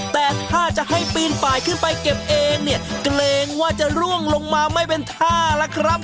แต่ถ้าจะให้ปีนป่ายขึ้นไปเก็บเองเนี่ยเกรงว่าจะร่วงลงมาไม่เป็นท่าล่ะครับ